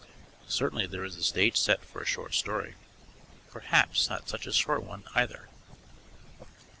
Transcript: Certainly there is the stage set for a short story. Perhaps not such a short one, either.